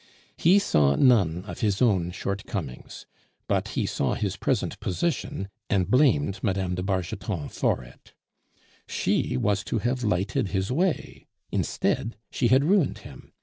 He saw none of his own shortcomings, but he saw his present position, and blamed Mme. de Bargeton for it. She was to have lighted his way; instead she had ruined him.